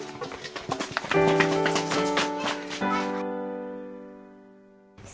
ไปด้วย